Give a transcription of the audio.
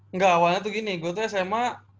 enggak awalnya tuh gini gue tuh sma